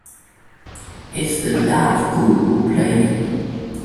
Is The Love Guru playing